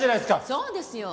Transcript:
そうですよ。